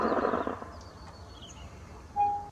پر ازل مي غم امیر جوړ کړ ته نه وې.